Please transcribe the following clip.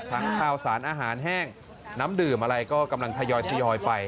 ข้าวสารอาหารแห้งน้ำดื่มอะไรก็กำลังทยอยไป